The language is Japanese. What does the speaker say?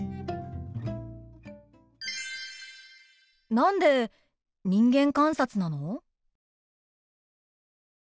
何で人間観察なの？